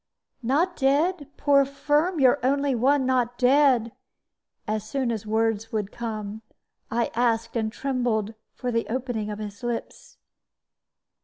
"Not dead poor Firm, your only one not dead?" as soon as words would come, I asked, and trembled for the opening of his lips.